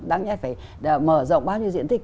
đáng nhất phải mở rộng bao nhiêu diện tích